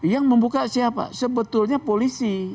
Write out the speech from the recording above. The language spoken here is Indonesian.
yang membuka siapa sebetulnya polisi